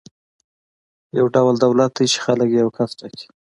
یو ډول دولت دی چې خلک یې یو کس ټاکي.